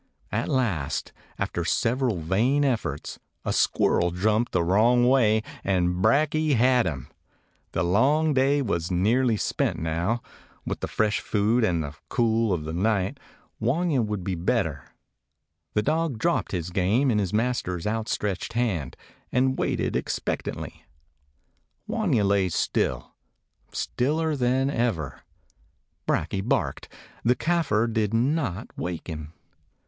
At last, after several vain efforts, a squirrel jumped the wrong way, and Brakje had him. The long day was nearly spent now. With the fresh food and the cool of the night Wanya 181 DOG HEROES OF MANY LANDS would be better. The dog dropped his game in his master's outstretched hand, and waited expectantly. Wanya lay still; stiller than ever. Brakje barked. The Kafir did not waken.